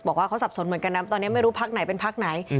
บอกว่าเขาสับสนเหมือนกันนะตอนนี้ไม่รู้พักไหนเป็นพักไหน